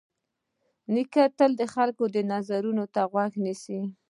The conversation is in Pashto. نیکه تل د خلکو د نظرونو ته غوږ نیسي.